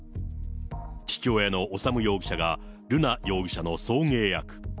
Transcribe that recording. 父親の修容疑者が瑠奈容疑者の送迎役。